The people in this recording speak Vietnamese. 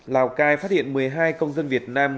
lào cai phát hiện một mươi hai công dân việt nam